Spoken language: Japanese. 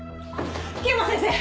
樹山先生！